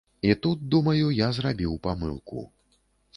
І тут, думаю, я зрабіў памылку.